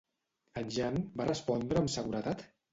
En Jan va respondre amb seguretat?